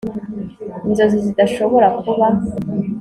inzozi zidashobora kuba